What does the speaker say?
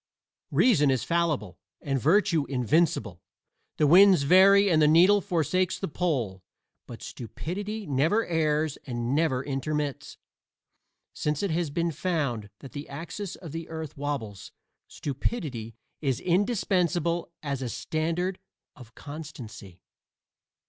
Reason is fallible and virtue invincible; the winds vary and the needle forsakes the pole, but stupidity never errs and never intermits. Since it has been found that the axis of the earth wabbles, stupidity is indispensable as a standard of constancy.